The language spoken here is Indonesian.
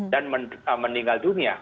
dan meninggal dunia